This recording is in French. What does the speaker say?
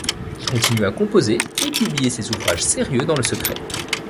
Il continue à composer et publier ses ouvrages sérieux dans le secret.